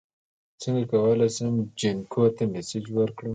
څنګه کولی شم جینکو ته میسج ورکړم